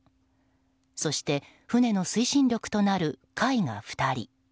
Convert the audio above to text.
そして、船の推進力となるかいが２人。